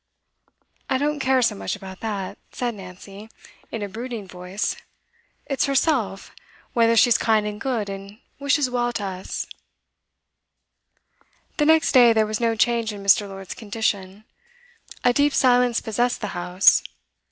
I don't care so much about that,' said Nancy in a brooding voice. 'It's herself, whether she's kind and good and wishes well to us. The next day there was no change in Mr. Lord's condition; a deep silence possessed the house.